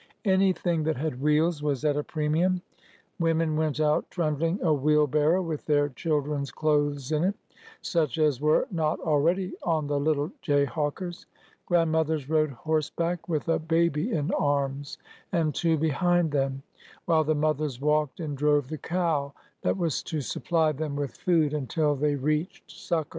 An3^thing that had wheels was at a premium. Women went out trundling a wheelbarrow with their children's clothes in it,— such as were not al ready on the little jayhawkers. Grandmothers rode horse back, with a baby in arms and two behind them, while the mothers walked and drove the cow that was to supply them with food until they reached succor.